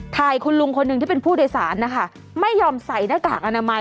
ถ่ายคุณลุงคนหนึ่งที่เป็นผู้โดยสารนะคะไม่ยอมใส่หน้ากากอนามัย